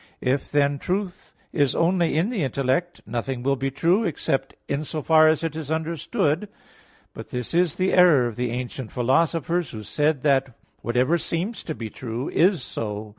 If, then, truth is only in the intellect, nothing will be true except in so far as it is understood. But this is the error of the ancient philosophers, who said that whatever seems to be true is so.